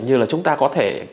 như là chúng ta có thể